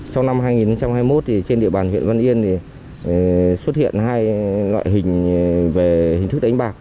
trong năm hai nghìn hai mươi một trên địa bàn huyện văn yên xuất hiện hai loại hình về hình thức đánh bạc